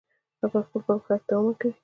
او خپل پرمختګ ته دوام ورکوي.